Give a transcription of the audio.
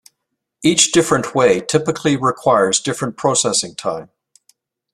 Each different way typically requires different processing time.